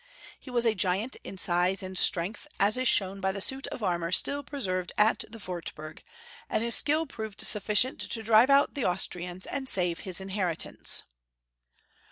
He was a giant in size and strength, as is shown by the suit of armor still preserved at the Wartburg, and his skill proved sufficient to drive out the Austrians, and save his inheritance.